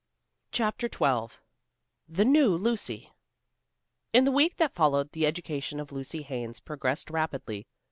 CHAPTER XII THE NEW LUCY In the week that followed, the education of Lucy Haines progressed rapidly.